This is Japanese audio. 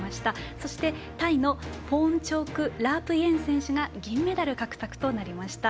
そして、タイのポーンチョーク・ラープイェン選手が銀メダル獲得となりました。